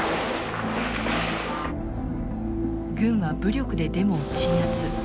軍は武力でデモを鎮圧。